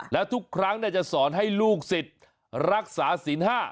แล้วทุกครั้งจะสอนให้ลูกศิษย์รักษาศีล๕